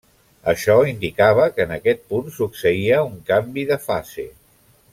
Això indicava que en aquest punt succeïa un canvi de fase.